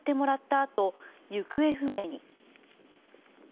あと行方不明に。